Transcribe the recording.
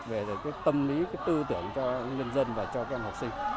về tâm lý tư tưởng cho nhân dân và cho các em học sinh